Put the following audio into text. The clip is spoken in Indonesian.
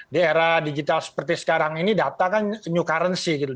di era digital seperti sekarang ini data kan new currency gitu